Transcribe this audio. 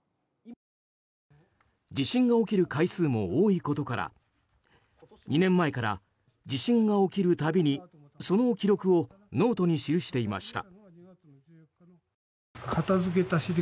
地震が起きる回数も多いことから２年前から地震が起きるたびにその記録をノートに記していました。